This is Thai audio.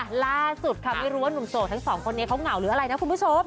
ล่าสุดค่ะไม่รู้ว่านุ่มโสดทั้งสองคนนี้เขาเหงาหรืออะไรนะคุณผู้ชม